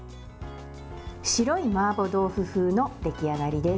白いマーボー豆腐風の出来上がりです。